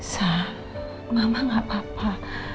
sah mama gak papa